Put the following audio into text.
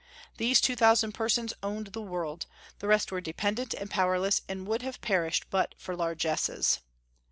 These two thousand persons owned the world; the rest were dependent and powerless, and would have perished but for largesses.